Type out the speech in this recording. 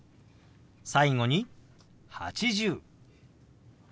最後に「８０」。